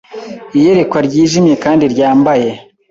Iyerekwa ryijimye kandi ryambaye